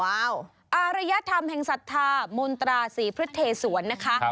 อารยธรรมแห่งศรัทธามนตราศรีพฤษเทศวรนะคะ